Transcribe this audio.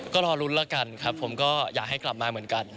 ก็รอลุ้นแล้วกันครับผมก็อยากให้กลับมาเหมือนกัน